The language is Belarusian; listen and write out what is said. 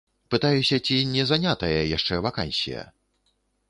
Пытаюся, ці не занятая яшчэ вакансія.